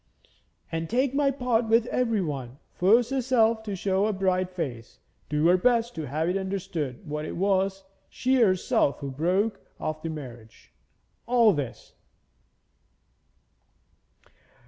'And take my part with everyone, force herself to show a bright face, do her best to have it understood that it was she herself who broke off the marriage all this.'